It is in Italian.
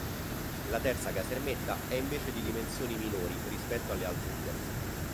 La terza casermetta è invece di dimensioni minori rispetto alle altre due.